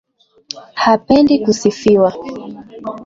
Hapendi kusifiwa\